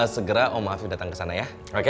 segera om afif datang ke sana ya oke